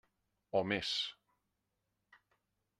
O més.